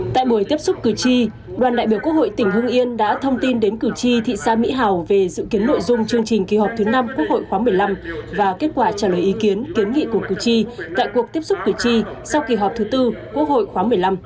tại buổi tiếp xúc cử tri đoàn đại biểu quốc hội tỉnh hưng yên đã thông tin đến cử tri thị xã mỹ hào về dự kiến nội dung chương trình kỳ họp thứ năm quốc hội khoáng một mươi năm và kết quả trả lời ý kiến kiến nghị của cử tri tại cuộc tiếp xúc cử tri sau kỳ họp thứ tư quốc hội khoáng một mươi năm